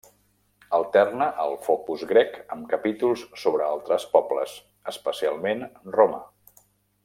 Alterna el focus grec amb capítols sobre altres pobles, especialment Roma.